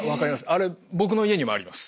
あれ僕の家にもあります。